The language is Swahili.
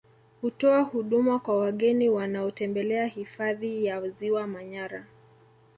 Hutoa huduma kwa wageni wanaotembelea hifadhi ya Ziwa Manyara